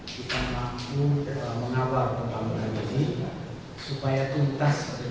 kita mampu menawar pembangunan ini supaya tuntas dengan hidupnya makassar manado